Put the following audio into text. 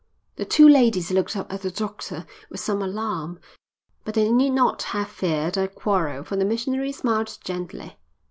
The two ladies looked up at the doctor with some alarm, but they need not have feared a quarrel, for the missionary smiled gently.